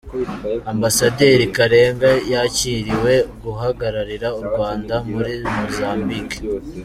Ambasaderi Karega yakiriwe guhagararira u Rwanda muri muzambike